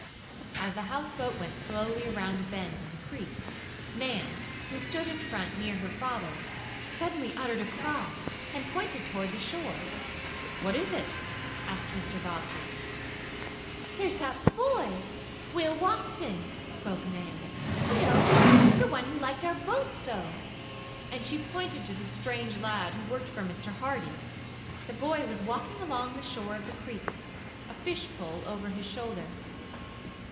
As the houseboat went slowly around a bend in the creek, Nan, who stood in front, near her father, suddenly uttered a cry, and pointed toward shore. "What is it?" asked Mr. Bobbsey. "There's that boy Will Watson!" spoke Nan. "You know the one who liked our boat so," and she pointed to the strange lad who worked for Mr. Hardee. The boy was walking along the shore of the creek, a fish pole over his shoulder.